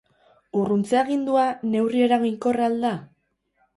Urruntze agindua, neurri eraginkorra al da?